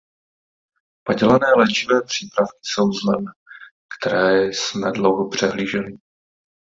Padělané léčivé přípravky jsou zlem, které jsme dlouho přehlíželi.